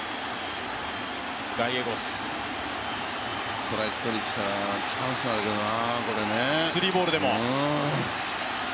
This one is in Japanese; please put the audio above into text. ストライク取りに来たらチャンスだけどな。